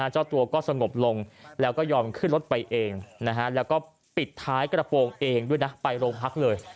เจ้าตัวก็สงบลงแล้วก็ยอมขึ้นรถไปเองแล้วก็ปิดท้ายกระโปรงเองด้วยนะไปโรงพักเลย